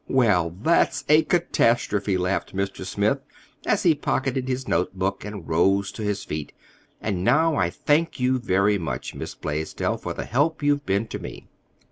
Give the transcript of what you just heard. "Well, that was a catastrophe!" laughed Mr. Smith, as he pocketed his notebook and rose to his feet. "And now I thank you very much, Miss Blaisdell, for the help you've been to me."